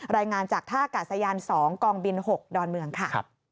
รายงานจากท่ากาศยาน๒กองบิน๖ดอนเมืองค่ะ